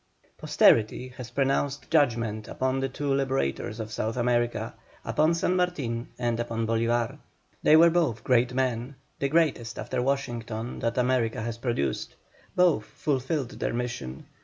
Posterity has pronounced judgment upon the two liberators of South America, upon SAN MARTIN and upon BOLÍVAR. They were both great men, the greatest after Washington that America has produced. Both fulfilled their mission.